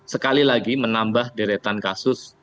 sekali lagi menambah deretan kasus